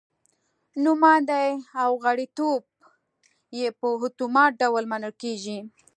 نوماندي او غړیتوب یې په اتومات ډول منل کېږي.